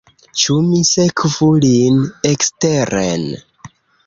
Ĉu mi sekvu lin eksteren?